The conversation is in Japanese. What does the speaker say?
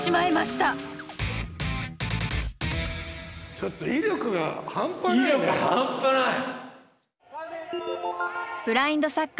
ちょっと威力が半端ないね。